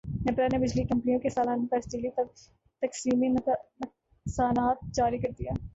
نیپرا نے بجلی کمپنیوں کے سالانہ ترسیلی تقسیمی نقصانات جاری کردیئے